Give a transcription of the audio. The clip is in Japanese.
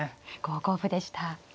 ５五歩でした。